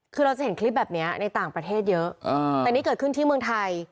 คือเราจะเห็นคลิปแบบนี้ในต่างประเทศเยอะแต่นี่เกิดขึ้นที่เมืองไทย